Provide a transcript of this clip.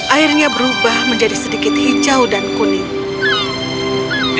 airnya berubah menjadi sedikit hijau dan kuning